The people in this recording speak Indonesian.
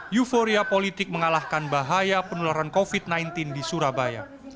euforia politik mengalahkan bahaya penularan covid sembilan belas di surabaya